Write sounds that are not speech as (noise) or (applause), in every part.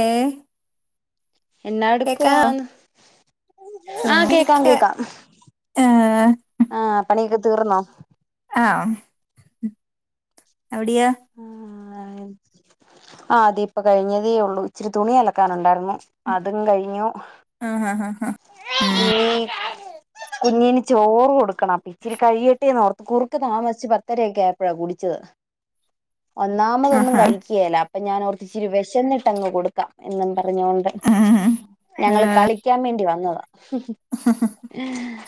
ഏ എന്നാ കേക്കാവോ എടുക്കുവാന്ന് ആ ചുമ്മാ കേക്കാം ഇരിക്ക കേക്കാം ഏഹ് ആ പണിയൊക്കെ തീർന്നോ ആ എവിടിയാ അതി ഇപ്പ കഴിഞ്ഞതേ ഉള്ളൂ ഇച്ചിരി തുണി അലക്കാനുണ്ടായിരുന്നു അതും കഴിഞ്ഞു ആഹ് ആഹ് ആഹ് ആഹ് ഉം (unintelligible) കുഞ്ഞിന് ചോറ് കൊടു ക്കണം ഇിച്ചിരി കഴിയട്ടെ നോർ കുറുക്ക് താമസിച്ച് പത്തരയൊക്കെ ആയപ്പഴാ കുടിച്ചത് ഒന്നാമതൊന്നും ആഹാ കഴിക്കേല്ല അപ്പൊ ഞാൻ ഓർത്തിച്ചിരി വിശന്നിട്ട് അങ്ങ് കൊടുക്കാം എന്നങ്ങ് പറഞ്ഞൊണ്ട് ഉം ഞങ്ങള് ഏഹ് കളിക്കാൻ വേണ്ടി വ ന്നതാ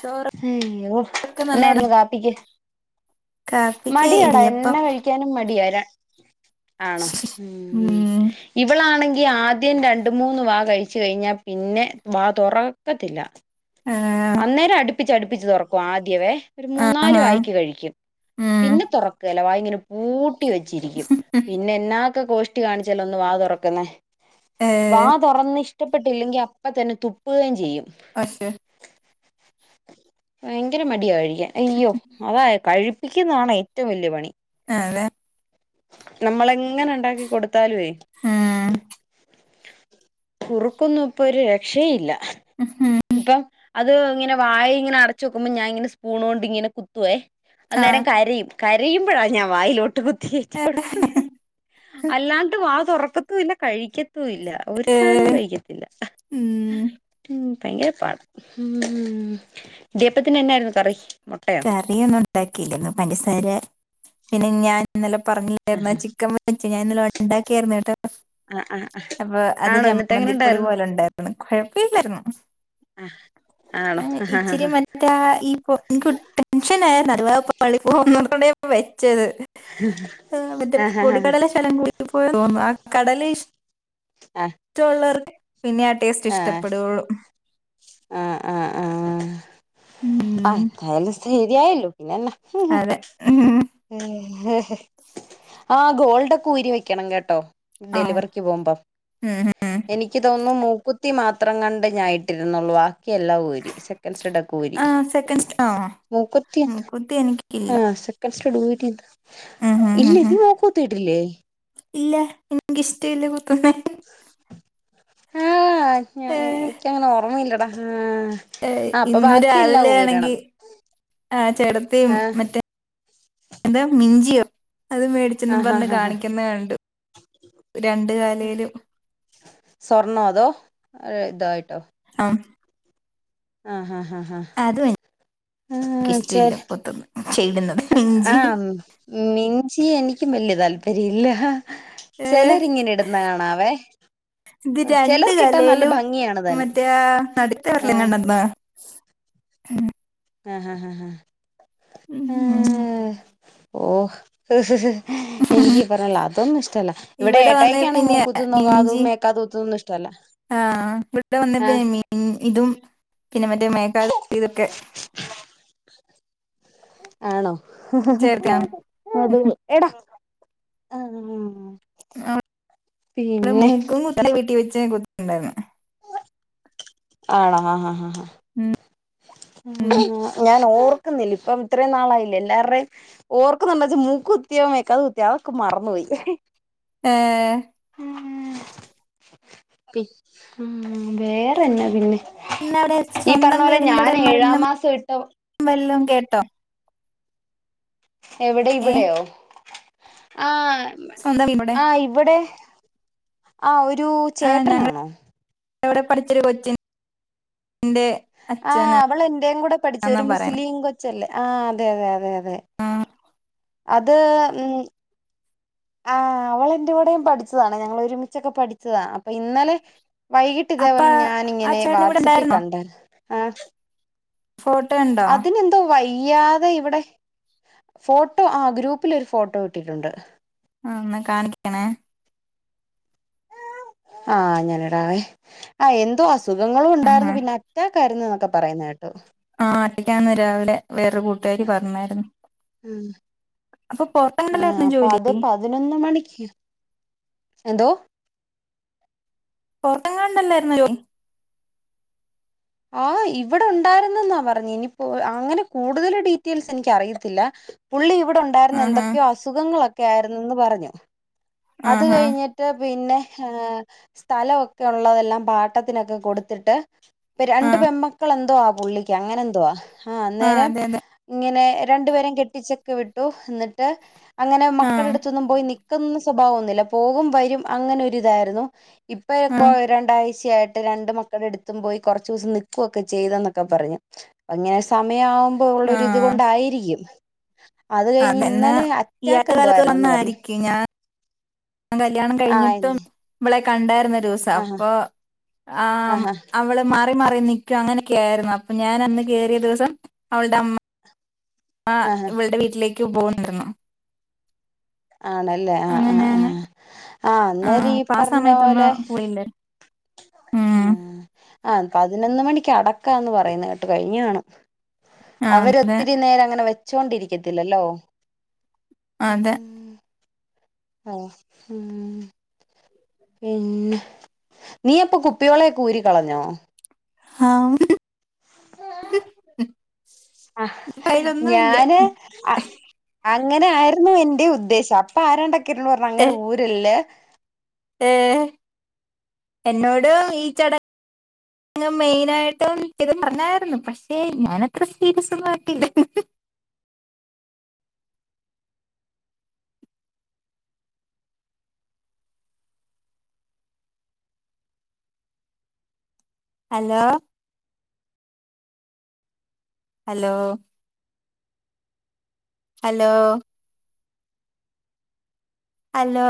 ചോറൊക്കെ അയ്യോ നല്ലോണം എന്നായിരുന്നു കാപ്പിക്ക് കാപ്പിക്ക് മടിയാടാ ഇടിയപ്പം എന്ന കഴിക്കാനും മടിയ ര ആണോ ഉം ഇവളാണെ ങ്കി ആദ്യം രണ്ട് മൂന്ന് വാ കഴിച്ചു കഴിഞ്ഞാ പിന്നെ വാ താെറ ക്കത്തില്ല ഏഹ് അന്നേരം അടു പ്പിച്ച് അടുപ്പിച്ച് തുറക്കും ആദ്യവേ ഒരു മൂന്നാല് ആഹാ വായിക്ക് കഴിക്കും ഉം പിന്നെ തുറക്കേല്ല വായ് ഇങ്ങനെ പൂ ട്ടി വെച്ചിരിക്കും പിന്നെ എന്നാ ഒക്കെ കോഷ്ടി കാണിച്ചാ ഒന്ന് വാ തൊറക്കുന്നെ വാ ഏഹ് തുറന്നിഷ് ടപ്പെട്ടില്ലെങ്കി അപ്പം തന്നെ തുപ്പുകയും ചെയ്യും പക്ഷെ ഭയങ്കര മടിയ കഴി ക്കാ അയ്യോ അതായ് കഴി യിപ്പിക്കുന്നതാണ് ഏറ്റവും വലിയ പണി ആ അതെ നമ്മളെങ്ങനെ ഉണ്ടാക്കി കൊടു ത്താല് വേ ഉം കുറുക്കൊന്നും ഇപ്പൊ ഒരു രക്ഷെ ഇല്ല ഹഹ അത് ഇങ്ങനെ വായ ഇങ്ങെ അടച്ച് വെക്കുമ്പോ ഞാനിങ്ങനെ സ്പൂൺ കൊണ്ട് ഇങ്ങനെ കുത്തുവേ ആഹ് അന്നേരം കരയും ക രയുമ്പഴാ ഞാ വായിലോട്ട് വെ കേറ്റികൊടുക്ക അല്ലാണ്ട് വാ തുറക്ക ക്കുല്ല കഴിക്ക ല്ല ഒരു സാധനവും ഏഹ് കഴിക്കത്തില്ല ഉം ഭയങ്കര പാടാ ഉം ദപ്പത്തിന് എന്നായിരുന്നു കറി മുട്ടയോ കറിയ ഒന്നും ഉണ്ടാക്കില്ലന്ന പഞ്ചസാര പിന്നെ ഞാൻ ഇന്നലെ പറഞ്ഞില്ലേര്ന്നോ ചിക്കൻ വച്ച ഞാൻ ഇന്നല ഉണ്ടാക്കിയായിരുന്നു കേട്ടോ ആഹ് ആഹ് ആഹ് അപ്പൊ അത് ആണോ എന്നിട്ട് എങ്ങനെ ജമ്മന്തിപ്പൊടി ഉണ്ടായിരുന്നു പോലെ ഉണ്ടായിരുന്നു കുഴപ്പല്ലായിരുന്നു ആഹ് ആണോ ആഹ് ഇച്ചിരി ആഹ് മറ്റ ഈ പൊ എനിക്ക് ടെൻഷൻ ആയിരുന്നു അതവാ പാളി പോവുന്നുള്ള ണേ വേ ച്ചത് മറ്റ ആഹ് ആഹ് പൊടിക്കടല ഷലം കൂടി പോ തോന്ന കടല ഇഷ് ടോള്ളർക്ക് ആ അ അ ആ ഉം, ആത്ത എല്ല സെ ദ്യായല്ലോ പിന്നല്ല ഉ അതെ ഉം, ആ ഗോൾഡൊക്കെ ഊരി വെക്കണം കേട്ടോ ആ ഡെലിവറിക്ക് പോകുമ്പോ ഉം. എനിക്ക് തോന്നുന്നു മൂ കുത്തി മാത്രം കണ്ട് ഞായിട്ടിരുന്നുള്ളൂ വാ എല്ലാം ഊരി സെക്കൻ സ്റ്റഡൊക്കെ ഊരി ആ സെക്കൻഡ് ആ മൂക്കുത്തി ഉം, കുത്തി എനിക്കില്ല ആ സെക്കൻ്റ് സ്റ്റഡ്ഡ് ഊരി ഉം, ഉം, ഇല്ല ഉം, ഉം. നീ മൂക്കൂത്തിയിട്ടില്ലേ ഇല്ല എനക്കിഷ്ടല്ല കുത്തുന്നെ ആ ഞാ ഏ, എനിക്കങ്ങനെ ഓർമ്മയില്ലടാ ആ ഏ ആ അപ്പൊ ഇന്ന് ബാക്കിയെല്ലാം രാവിലെ ആണെങ്കി ഊരണം ആ ചേട്ടത്തിയും ആ മറ്റേ എന്താ മിഞ്ചിയോ അത് ആ മേടിച്ചന്നെന്നും ഹാ പറഞ്ഞ് ഹാ ഹാ കാണിക്കുന്ന കണ്ട് രണ്ട് കാലേലും സ്വർണോ അതോ ഇതായിട്ടോ ആ ആഹ് ആ ആ അതും ആഹ് ആ എനിക്കിഷ്ടമില്ല ചെല കൊത്തുന്ന ചെയ്ടുന്നത് മിഞ്ചി ആഹ് മിഞ്ചി എനി ക്ക്യും വല്ല്യ താല്പര്യ ഇല്ല. ഏ ചെലരിങ്ങനെ ഇടുന്ന കാണാവേ ഇത് രണ്ട് ചിലർക്കിട്ടാ നല്ല കാലേലും ഭംഗിയാണ് താനും മറ്റേ നട്ത്ത ഏഹ് വെര്ലിനെണ്ടാ (unintelligible) ഉം ആഹ് ഹാ ഹാ ഉമ് മ് മ് ഓഹ് എനിക്കിബറല്ല അതൊന്നു ഇഷ്ടല്ല ഇവിടെ വന്നേ ഏട്ടായിക്കാണ് പിന്നെ മൂകുത്തുന്നും ഇഞ്ചി കാതും മേക്കാതുത്തുന്ന് ഇഷ്ട്ടല്ല ആ ഇവിടെ വന്നേ എ പിന്നെ മീൻ ഇതും പിന്നെ മറ്റേ മേക്കാതുത്തിതൊക്കെ ആണോ ചേർക്കാ അതെ എടാ ആഹ് ആഹ് ആഹ് മൂക്കും കുത്തണെ വീട്ടി വെച്ച ഞാൻ കു ഇണ്ടായീര്ന്നെ ആണോ ആഹ് ആഹ് ആഹ് ഉം. ഞാൻ ഓർ ക്കുന്നില്ല ഇപ്പം ഇത്രേം നാളായില്ലെ എല്ലാറേം ഓർക്കുന്നുണ്ടെച് മൂകുത്യോ മേക്കാതുത്യോ അതൊക്കെ മറന്നോയി ഏഹ് വേറെന്നാ പിന്നെ ഇന്നടെ ഈ പറഞ്ഞ സ്വന്തം പോലെ ഞാൻ വീടിന്റടെ ഏഴാം മരണ് മാസം ഇട്ട വല്ലം കേട്ടോ എവിടെ ഏ ഇവിടെയോ ആഹ് സ്വന്തം ഇവിടെ ആഹ് ഇവിടെ ആഹ് ഒ രു ആ ഞങ്ങള ചേട്ടനാണോ ഇവിടെ പഠിച്ചൊരു കൊച്ചി ആഹ് അവള് എന്റേം കൂടെ പഠിച്ച് ഒരു പറയണെ മുസ്ലിം കൊച്ചല്ലേ ആഹ് അതെ അതെ അതെ അ തെ ആ അത് ഉം ആഹ് അവളെന്റെ കൂടെയും പഠിച്ചതാണ് ഞങ്ങള് ഒരുമിച്ചൊക്കെ പഠിച്ചതാ പ്പൊ ഇന്നലെ വൈകിട്ട് അപ്പ ഇതേപോലെ ആ ഞാനിങ്ങനെ ചേട്ടൻ ഇവിടെ വാട്സ്ആപ്പി ഉണ്ടായിരുന്നോ കണ്ടാര് ആഹ് ഫോട്ടോ ഇണ്ടോ ചെയ്യാതെ ഇവിടെ ഫോട്ടോ ആ ഗ്രൂപ്പില് ഒരു ഫോട്ടോ ഇട്ടിട്ടുണ്ട് ആ എന്നാ കാണിക്കണേ ആ ഞാൻ ഇടാവെ ആ എന്തോ അസു അസുഖങ്ങളും ആ ഉണ്ടായിരുന്നു പിന്നെ അറ്റാ കാരുന്നന്നൊക്കെ പറയുന്ന കേട്ടു ആ അടക്കാരുന്നു രാവിലെ വേറൊ കൂട്ടുകാരി പറഞ്ഞായിരുന്നു ഉം അപ്പൊ ആഹ് പൊറത്തണ്ടല്ലായിരുന്നോ അപ്പൊ ജോലി അത് പതിനൊന്ന് മണിക്ക് എന്തോ പൊറത്തങ്ങാണ്ടല്ലായിരുന്നുന്നോ ജോലി ആഹ് ഇവിടെ ഉണ്ടായിരുന്നെന്നാ പറഞ്ഞ ഇനിപ്പോ അങ്ങനെ കൂടുതൽ ഡീറ്റെയിൽസ് എനിക്കറിയത്തില്ല പുള്ളി ഇവിടെ ഉണ്ടായിരുന്നു ആഹാ എന്തൊക്കെയോ അസുഖങ്ങളൊക്കെ ക്കെ ആയിരുന്നന്ന് പറഞ്ഞു അത് ആഹാ കഴിഞ്ഞിട്ട് പിന്നെ ഏ സ്ഥലമൊക്കെ ഉള്ളതെല്ലാം പാട്ടത്തിനൊക്കെ കൊടുത്തിട്ട് ആ രണ്ട് പെമ്മക്കൾ എന്തോ ആ പുള്ളിക്ക് അങ്ങനെ എന്തുവാ ആ അന്നേരം അതെ അതെ ഇങ്ങനെ രണ്ടുപേരയും കെട്ടിച്ചക്കെ വിട്ടു എന്നിട്ട് അങ്ങനെ ആ മക്കള അടുത്തൊന്നും പോയി നിൽക്കുന്ന സ്വഭാവം ഒന്നുമില്ല പോകും വരും അങ്ങനെ ഒര് ഇതായിരുന്നു ഇപ്പൊ ആ എക്കോ രണ്ടാഴ്ചയായി രണ്ട് മക്കള അടുത്തും പോയി കുറച്ച ദിവസം നിക്കുവൊക്കെ ചെയ്തന്നൊക്കെ പറഞ്ഞു ഇങ്ങനെ സമയാവുമ്പോ ഉള്ള ഇത് കൊണ്ടായിരിക്കും (inaudible) അതന്നാ ഇന്നലെ ഈ അറ്റാക്ക് അടുത്ത എന്തോ കാലത്ത് ആയിരുന്നെന്ന് പറഞ്ഞു വന്നായിരിക്കും ഞാൻ ഞാൻ കല്യാണം ആ കഴിഞ്ഞിട്ടും ഇവളെ കണ്ടായിരുന്നു ദിവസം ആഹാ അപ്പോ ആ ആഹാ അവള് മാത്രം മാറിനിൽക്കും അങ്ങനൊക്കെ ആയിരുന്നു അപ്പൊ ഞാൻ അന്ന് കയറിയ ദിവസം അവളുടെ അമ്മ ആ ആഹാ ഇവൾടെ വീട്ടിലേക്ക് പോകാനാരുന്നു ആണല്ലേ ആഹ് ആഹ് ആഹ് ആഹ അന്നേര ആഹ് ഈ അപ്പൊ ആ പറഞ്ഞ സമയത്തൊന്ന് പോലെ പോയില്ലേ ഉം ആഹ ആഹ പതിനൊന്ന് മണിക്ക് അടക്കാന്ന് പറയുന്ന കേട്ട് കഴിഞ്ഞാണ് അവര അതെ ഒത്തിരി നേരം അങ്ങനെ വ ചൊണ്ടിരിക്കത്തില്ലല്ലോ അതെ ആഹ ഉ പിന്നെ നീയപ്പൊ കുപ്പിയോളെഊരി കളഞ്ഞോ ആഹ ആ കയ്യിലൊന്നും ഇല്ല ഞാന് അങ്ങനെ ആായിരുന്നു എ ഉദ്ദേശം അപ്പ ആ ി പറഞ്ഞ അങ്ങനെ ര്ല്ലേ ഏർ എന്നോട ഈ ചടങ്ങങ് മെയിന ആായിട്ടും ഇത് പറഞ്ഞായിരുന്നു പക്ഷെ ഞാൻത്ര സീരിയസ് ഒട്ടത് ഹലോ ഹലോ ഹലോ ഹലോ